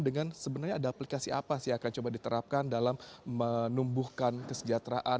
dengan sebenarnya ada aplikasi apa sih yang akan coba diterapkan dalam menumbuhkan kesejahteraan